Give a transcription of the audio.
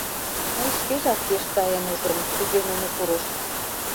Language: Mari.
Мый шкежак пеш сайын ужым, кузе нуно пурышт.